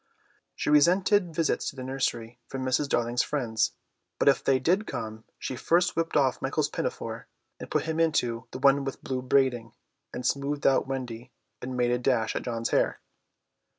She resented visits to the nursery from Mrs. Darling's friends, but if they did come she first whipped off Michael's pinafore and put him into the one with blue braiding, and smoothed out Wendy and made a dash at John's hair.